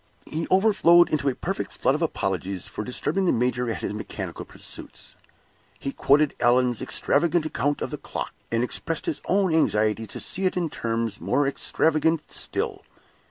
He overflowed into a perfect flood of apologies for disturbing the major at his mechanical pursuits. He quoted Allan's extravagant account of the clock, and expressed his own anxiety to see it in terms more extravagant still.